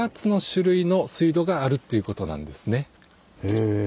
へえ。